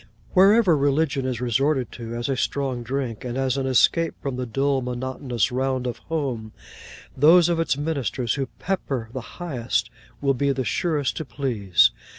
Wherever religion is resorted to, as a strong drink, and as an escape from the dull monotonous round of home, those of its ministers who pepper the highest will be the surest to please.